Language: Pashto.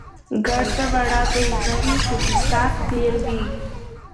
ګړد وړه دی نه وي، خو چې سات تیر وي.